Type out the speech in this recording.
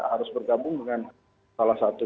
harus bergabung dengan salah satu